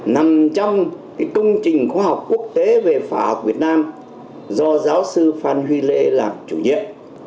nằm trong công trình khoa học quốc tế về khoa học việt nam do giáo sư phan huy lê làm chủ nhiệm